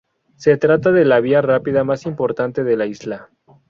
Se trata de la vía rápida más importante de la isla.